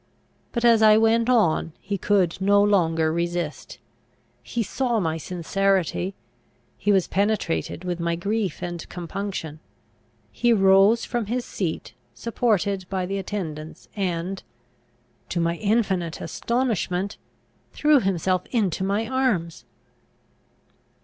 But as I went on he could no longer resist. He saw my sincerity; he was penetrated with my grief and compunction. He rose from his seat, supported by the attendants, and to my infinite astonishment threw himself into my arms!